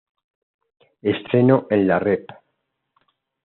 Estreno en la Rep.